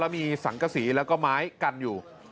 แล้วมีสังกษีแล้วก็ม้ายกันอยู่